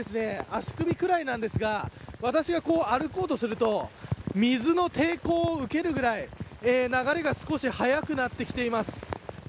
足首くらいなんですが私が歩こうとすると水の抵抗を受けるくらい流れが少し速くなってきています。